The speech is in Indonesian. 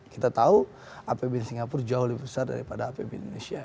kita tahu apbn singapura jauh lebih besar daripada apbn indonesia